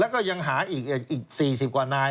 แล้วก็ยังหาอีก๔๐กว่านาย